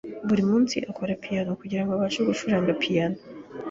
Buri munsi akora piyano, kugirango abashe gucuranga piyano.